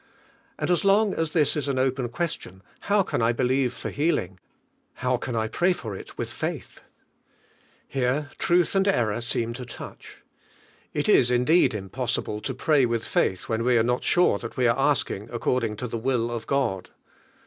And as long :is liiis is an open question, how can l believe for healing, how can l pray far it Willi faithf Here Irulb and error seem to touch. It is indeed impossible to pray with faith when we are not sure that we are asking according to the will of God.